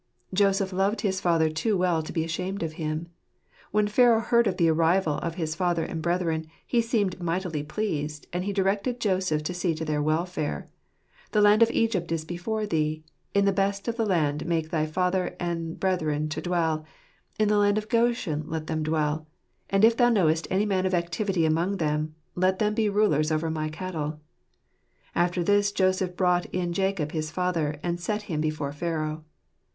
Joseph loved his father too well to be ashamed of him. When Pharaoh heard of the arrival of his father and brethren, he seemed mightily pleased, and he directed Joseph to see to their welfare. " The land of Egypt is before thee ; in the best of the land make thy father and brethren to dwell ; in the land of Goshen let them dwell : and if thou knowcst any men of activity among them, then let them be rulers over my cattle." After this Joseph brought in Jacob his father, and set him before Pharaoh.